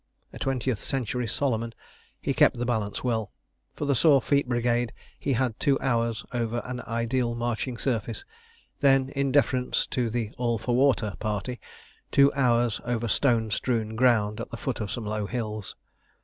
A twentieth century Solomon, he kept the balance well: for the sore feet brigade he had two hours over an ideal marching surface; then, in deference to the all for water party, two hours over stone strewn ground at the foot of some low hills.